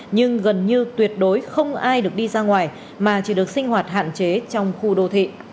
nhưng gần như tuyệt đối không ai được đi ra ngoài mà chỉ được sinh hoạt hạn chế trong khu đô thị